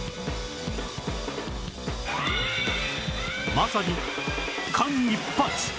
まさに間一髪！